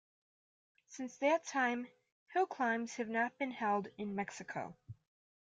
Since that time, hillclimbs have not been held in Mexico.